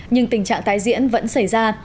nhưng tình trạng tái diễn vẫn xảy ra